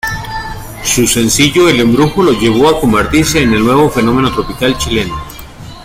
Su sencillo El Embrujo lo lleva a convertirse en el nuevo fenómeno tropical chileno.